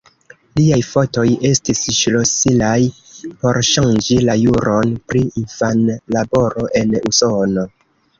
Liaj fotoj estis ŝlosilaj por ŝanĝi la juron pri infanlaboro en Usono.